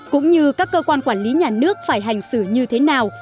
cũng như các cơ quan quản lý nhà nước phải hành xử như thế nào